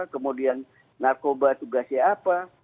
kemudian narkoba tugasnya apa